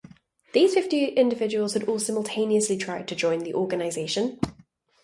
These fifty individuals had all simultaneously tried to join the organization.